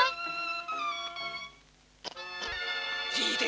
nó chết rồi